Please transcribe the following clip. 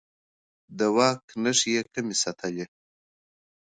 د واک نښې يې کمې ساتلې.